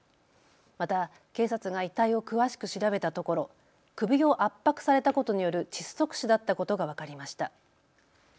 また警察が遺体を詳しく調べたところ首を圧迫されたことによる窒息死だったことが分かりました。